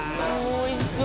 おいしそう。